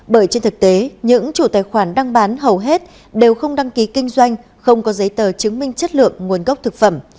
bởi trên thực tế những chủ tài khoản đang bán hầu hết đều không đăng ký kinh doanh không có giấy tờ chứng minh chất lượng nguồn gốc thực phẩm